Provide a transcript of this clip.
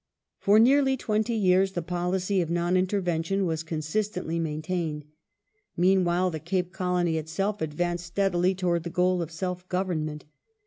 ^ For nearly twenty years the policy of non intervention was Sir consistently maintained. Meanwhile, the Cape Colony itself ad ^^^"^^^ vanced steadily towards the goal of self government.